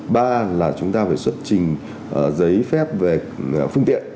ba là chúng ta phải xuất trình giấy phép về phương tiện